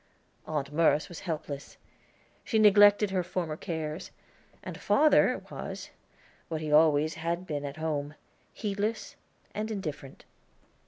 Aunt Merce was helpless. She neglected her former cares; and father was, what he always had been at home, heedless and indifferent.